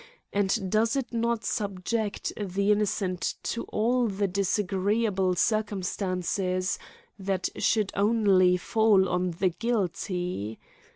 and does it not subject the innocent to all the disagreeable circumstan ces that should only fall on the guilty?